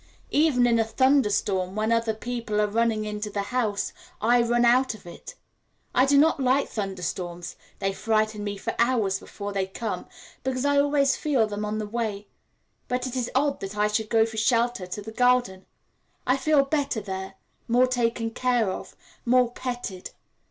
Even in a thunder storm, when other people are running into the house, I run out of it. I do not like thunder storms they frighten me for hours before they come, because I always feel them on the way; but it is odd that I should go for shelter to the garden. I feel better there, more taken care of, more petted.